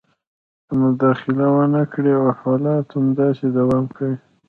که مداخله ونه کړي او حالات همداسې دوام کوي